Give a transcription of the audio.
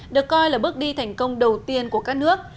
được coi là bước đi thành công đầu tiên của các nước